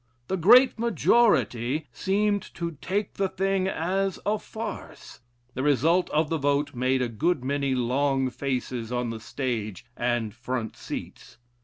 The great majority seemed to take the thing as a farce. The result of the vote made a good many long faces on the stage and front seats.